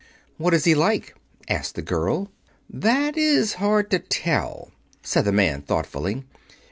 "What is he like?" asked the girl. "That is hard to tell," said the man thoughtfully.